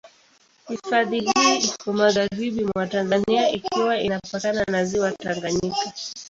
Hifadhi hii iko magharibi mwa Tanzania ikiwa inapakana na Ziwa Tanganyika.